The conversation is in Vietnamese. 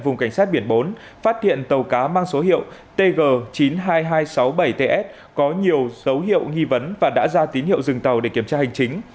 vùng cảnh sát biển bốn phát hiện tàu cá mang số hiệu tg chín mươi hai nghìn hai trăm sáu mươi bảy ts có nhiều dấu hiệu nghi vấn và đã ra tín hiệu dừng tàu để kiểm tra hành chính